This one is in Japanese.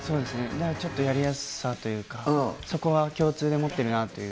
やりやすさというか、そこは共通で持ってるなっていう。